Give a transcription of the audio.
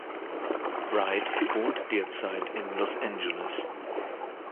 Wright wohnt derzeit in Los Angeles.